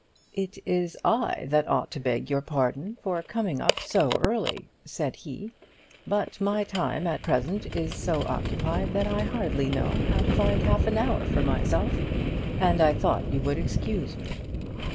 "It is I that ought to beg your pardon for coming so early," said he; "but my time at present is so occupied that I hardly know how to find half an hour for myself; and I thought you would excuse me."